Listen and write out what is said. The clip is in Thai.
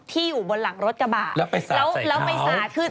ที่อยู่บนหลังรถกระบะแล้วไปสระใส่เขา